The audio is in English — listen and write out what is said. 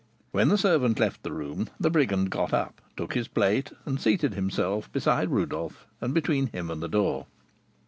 When the servant left the room, the brigand got up, took his plate, and seated himself beside Rodolph and between him and the door.